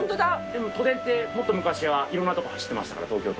でも都電ってもっと昔はいろんなとこ走ってましたから東京都内。